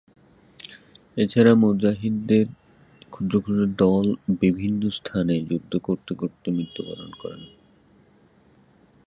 এছাড়া মুজাহিদদের ক্ষুদ্র ক্ষুদ্র দল বিভিন্ন স্থানে যুদ্ধ করতে করতে মৃত্যুবরণ করেন।